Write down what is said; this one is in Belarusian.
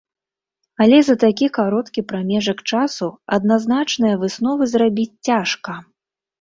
Але за такі кароткі прамежак часу адназначныя высновы зрабіць цяжка.